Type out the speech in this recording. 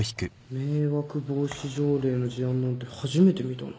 迷惑防止条例の事案なんて初めて見たな。